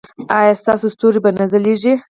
ایا ستاسو ستوري به نه ځلیږي؟